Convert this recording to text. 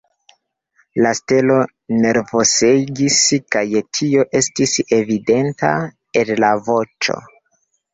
La stelo nervosegis, kaj tio estis evidenta en la voĉo.